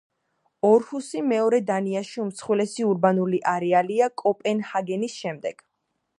ორჰუსი მეორე დანიაში უმსხვილესი ურბანული არეალია კოპენჰაგენის შემდეგ.